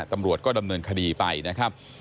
ตำรวจก็ดำเนินคดีไปนะครับ